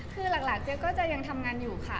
คือหลักเจี๊ยก็จะยังทำงานอยู่ค่ะ